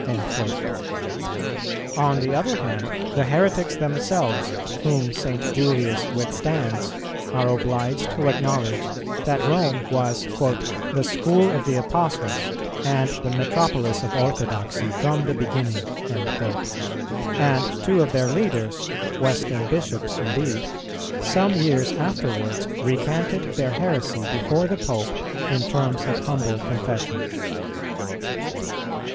"[159:2] On the other hand, the heretics themselves, whom St. Julius withstands, are obliged to acknowledge that Rome was "the School of the Apostles and the Metropolis of orthodoxy from the beginning;" and two of their leaders (Western Bishops indeed) some years afterwards recanted their heresy before the Pope in terms of humble confession.